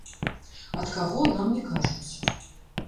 Ад каго, нам не кажуць.